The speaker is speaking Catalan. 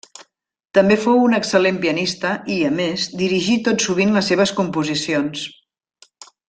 També fou un excel·lent pianista i, a més, dirigí tot sovint les seves composicions.